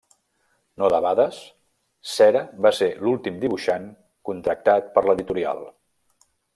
No debades, Cera va ser l'últim dibuixant contractat per l'editorial.